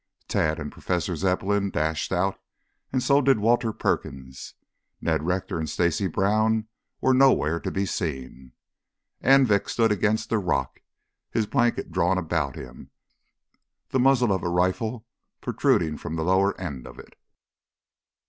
Tad and Professor Zepplin dashed out, and so did Walter Perkins. Ned Rector and Stacy Brown were nowhere to be seen. Anvik stood against a rock, his blanket drawn about him, the muzzle of a rifle protruding from the lower end of it.